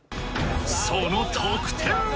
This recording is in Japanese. その得点は？